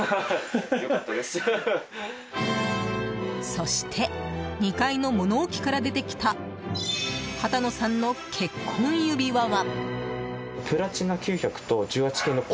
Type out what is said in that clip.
そして２階の物置から出てきた畑野さんの結婚指輪は。